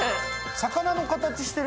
魚の形してる。